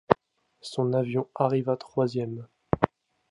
Son avion arriva troisième.